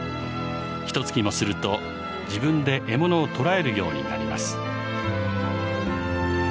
ひとつきもすると自分で獲物を捕らえるようになります。